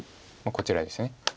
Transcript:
こちらです。